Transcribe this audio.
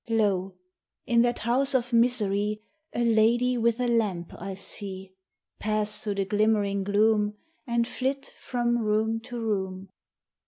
Lo! in that house of misery A lady with a lamp I see Pass through the glimmering gloom, And flit from room to room.